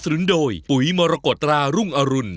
เสียงสรรคเพื่อประชาชน